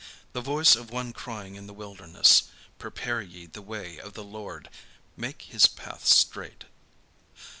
The voice of one crying in the wilderness. Prepare ye the way of the Lord, make his paths straight."